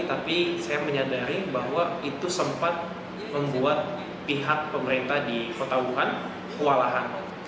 tapi saya menyadari bahwa itu sempat membuat pihak pemerintah di kota wuhan kewalahan